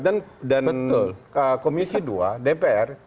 dan komisi dua dpr